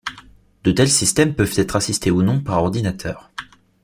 De tel systèmes peuvent être assistés ou non par ordinateur.